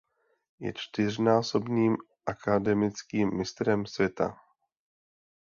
Je čtyřnásobným akademickým mistrem světa.